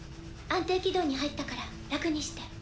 安定軌道に入ったから楽にして。